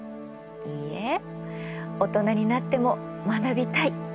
いいえ大人になっても学びたい。